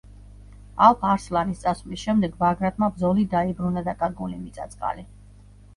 ალფ-არსლანის წასვლის შემდეგ ბაგრატმა ბრძოლით დაიბრუნა დაკარგული მიწა-წყალი.